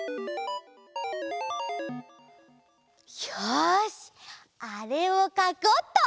よしあれをかこうっと！